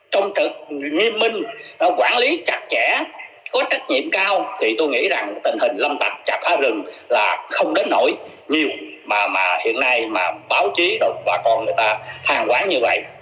trong trận nghiêm minh quản lý chặt chẽ có trách nhiệm cao thì tôi nghĩ rằng tình hình lâm tạch chặt phá rừng là không đến nổi nhiều mà mà hiện nay mà báo chí và bà con người ta hàng quán như vậy